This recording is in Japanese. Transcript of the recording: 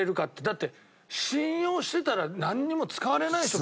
だって信用してたらなんにも使われないでしょ